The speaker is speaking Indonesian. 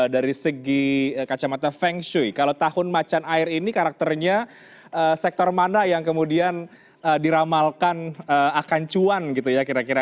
dari segi kacamata feng shui kalau tahun macan air ini karakternya sektor mana yang kemudian diramalkan akan cuan gitu ya kira kira